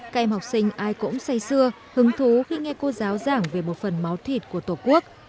các em học sinh ai cũng say xưa hứng thú khi nghe cô giáo giảng về một phần máu thịt của tổ quốc